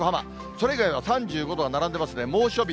それ以外は３５度が並んでますね、猛暑日。